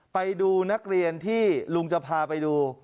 ไปดูนักเรียนที่ลุงจะพาไปดู